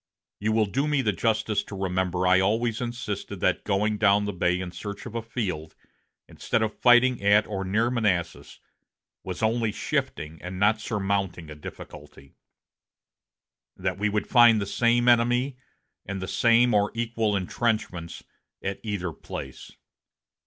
You will do me the justice to remember I always insisted that going down the bay in search of a field, instead of fighting at or near Manassas, was only shifting and not surmounting a difficulty; that we would find the same enemy and the same or equal intrenchments at either place.